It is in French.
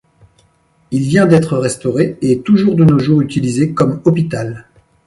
Il vient d'être restauré et est toujours de nos jours utilisé comme hôpital.